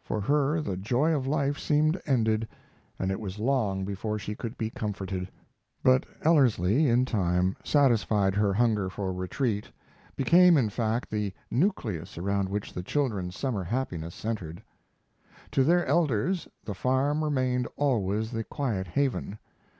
For her the joy of life seemed ended, and it was long before she could be comforted. But Ellerslie in time satisfied her hunger for retreat, became, in fact, the nucleus around which the children's summer happiness centered. To their elders the farm remained always the quiet haven.